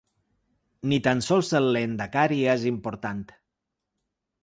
Ni tan sols el lehendakari és important.